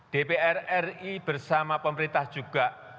dpr ri bersama pemerintah juga